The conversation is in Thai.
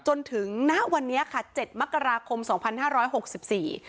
จนถึงณวันนี้ค่ะเจ็ดมกราคมสองพันห้าร้อยหกสิบสี่